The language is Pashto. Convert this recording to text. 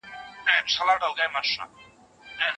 موږ د خپلې ژبې او ادب خدمت کوو.